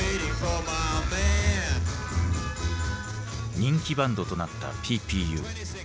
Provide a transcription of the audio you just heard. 人気バンドとなったＰＰＵ。